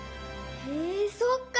へえそっか！